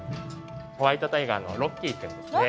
ホワイトタイガーのロッキーくんですね。